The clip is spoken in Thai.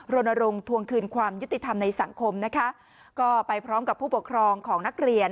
รณรงค์ทวงคืนความยุติธรรมในสังคมนะคะก็ไปพร้อมกับผู้ปกครองของนักเรียน